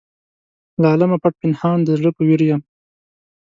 له عالمه پټ پنهان د زړه په ویر یم.